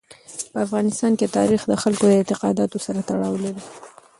په افغانستان کې تاریخ د خلکو د اعتقاداتو سره تړاو لري.